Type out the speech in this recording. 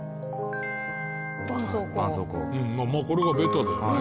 まあこれはベタだよね。